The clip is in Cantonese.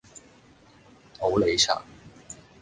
普洱茶